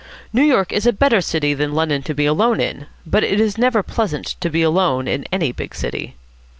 New York is a better city than London to be alone in, but it is never pleasant to be alone in any big city.